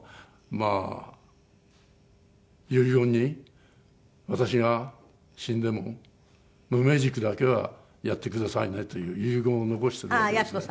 まあ遺言に「私が死んでも無名塾だけはやってくださいね」という遺言を残してるわけですね。